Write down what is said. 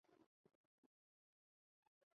孔达有子得闾叔榖仍为大夫。